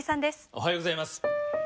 おはようございます。